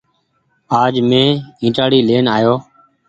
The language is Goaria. آج مين ائيٽآڙي لين آيو ۔